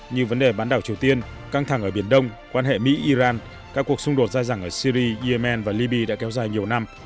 như vấn đề bán đảo triều tiên căng thẳng ở biển đông quan hệ mỹ iran các cuộc xung đột dài dẳng ở syri yemen và liby đã kéo dài nhiều năm